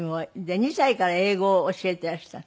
で２歳から英語を教えていらした？